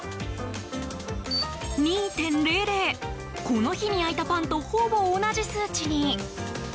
この日に焼いたパンとほぼ同じ数値に。